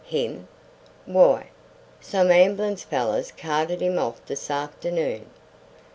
"Him? Why, some amb'lance fellers carted him off this afternoon.